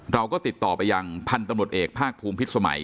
เราก็ติดต่อไปยังพันธุ์ตำรวจเอกภาคภูมิพิษสมัย